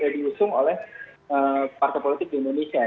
diusung oleh partai politik di indonesia